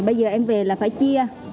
bây giờ em về là phải chia